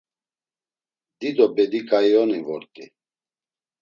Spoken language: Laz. Dido bediǩaioni vort̆i.